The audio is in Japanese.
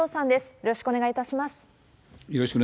よろしくお願いします。